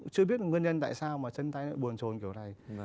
chưa biết là nguyên nhân tại sao mà chân tay nó buồn trôi kiểu này